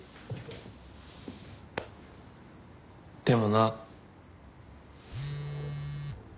でもな。